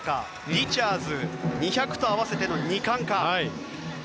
リチャーズ２００と合わせての２冠か。